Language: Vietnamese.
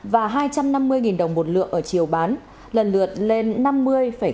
và hai trăm năm mươi đồng một lượng ở chiều bán lần lượt lên năm mươi hai triệu và năm mươi ba mươi năm triệu một lượng